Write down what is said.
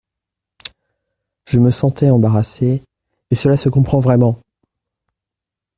Je me sentais embarrassée, Et cela se comprend vraiment !